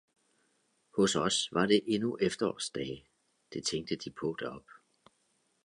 Hos os var det endnu efterårsdage, det tænkte de på deroppe.